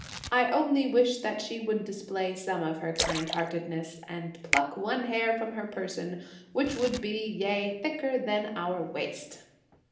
I only wish that she would display some of her kind heartedness, and pluck one hair from her person which would be, yea thicker than our waist."